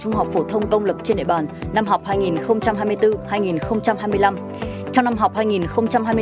trong lúc lớp một mươi các trường trung học phổ thông công lập trên đại bàn năm học hai nghìn hai mươi bốn hai nghìn hai mươi năm